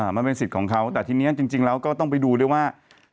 มันเป็นสิทธิ์ของเขาแต่ทีนี้จริงแล้วก็ต้องไปดูด้วยว่า